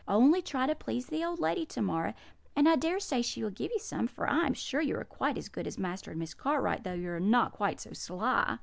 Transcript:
Only try to please the old lady to morrow, and I dare say she will give you some; for I am sure you are quite as good as Master and Miss Cartwright, though you are not quite so sly.'